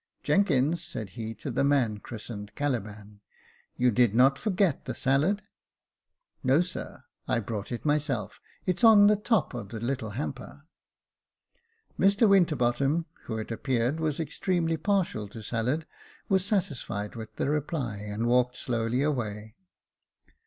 " Jenkins," said he to the man christened Caliban, "you did not for get the salad ?" "No, sir; I brought it myself. It's on the top of the little hamper." Mr Winterbottom, who it appears was extremely partial to salad, was satisfied with the reply, and walked slowly away.